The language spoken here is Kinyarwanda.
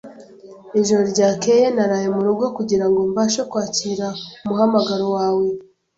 Ijoro ryakeye naraye murugo kugirango mbashe kwakira umuhamagaro wawe.